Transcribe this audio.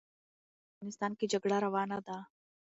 نیمه پېړۍ کېږي چې په افغانستان کې جګړه روانه ده.